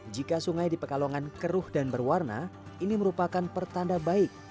jika sungai di pekalongan keruh dan berwarna ini merupakan pertanda baik